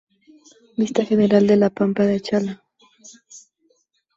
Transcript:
Vista General de la Pampa de Achala.